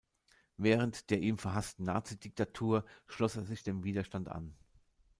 Während der ihm verhassten Nazidiktatur schloss er sich dem Widerstand an.